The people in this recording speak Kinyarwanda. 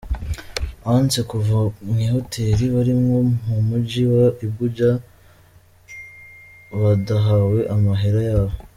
Banse kuva mw'ihoteli barimwo mu muji wa Abuja badahawe amahera yabo.